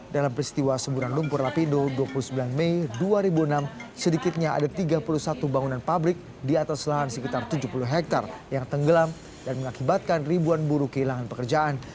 dalam peristiwa semburan lumpur lapindo dua puluh sembilan mei dua ribu enam sedikitnya ada tiga puluh satu bangunan pabrik di atas lahan sekitar tujuh puluh hektare yang tenggelam dan mengakibatkan ribuan buruh kehilangan pekerjaan